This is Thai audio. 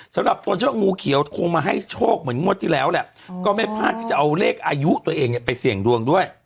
ตนเชื่อว่างูเขียวคงมาให้โชคเหมือนงวดที่แล้วแหละก็ไม่พลาดที่จะเอาเลขอายุตัวเองเนี่ยไปเสี่ยงดวงด้วย